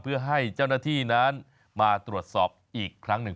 เพื่อให้เจ้าหน้าที่นั้นมาตรวจสอบอีกครั้งหนึ่ง